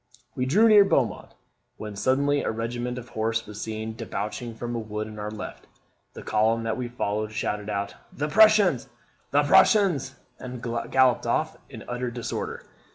We drew near Beaumont, when suddenly a regiment of horse was seen debouching from a wood on our left. The column that we followed shouted out, 'The Prussians! the Prussians!' and galloped off in utter disorder.